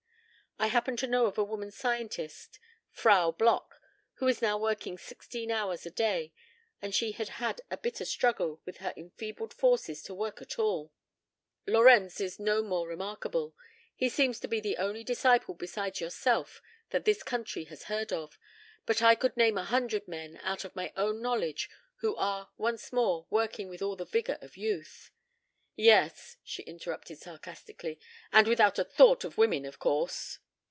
I happen to know of a woman scientist, Frau Bloch, who is now working sixteen hours a day, and she had had a bitter struggle with her enfeebled forces to work at all. Lorenz is no more remarkable. He seems to be the only disciple besides yourself that this country has heard of, but I could name a hundred men, out of my own knowledge, who are once more working with all the vigor of youth " "Yes," she interrupted sarcastically. "And without a thought of women, of course."